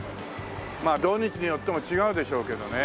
まあ土日によっても違うでしょうけどね。